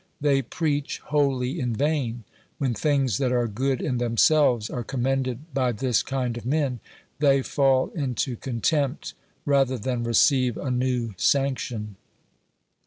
They preach wholly in vain ; when things that are good in themselves are commended by this kind of men, they fall into contempt rather than receive a new sanction.